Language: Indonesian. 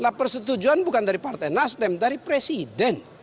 nah persetujuan bukan dari partai nasdem dari presiden